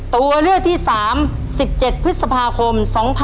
ตัวเลือกที่สาม๑๗พฤษภาคม๒๔๔๘